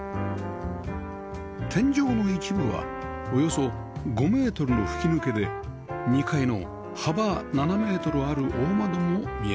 天井の一部はおよそ５メートルの吹き抜けで２階の幅７メートルある大窓も見えます